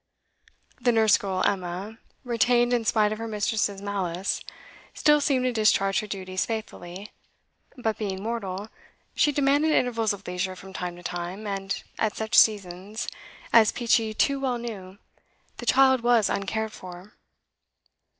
The nurse girl Emma, retained in spite of her mistress's malice, still seemed to discharge her duties faithfully; but, being mortal, she demanded intervals of leisure from time to time, and at such seasons, as Peachey too well knew, the child was uncared for.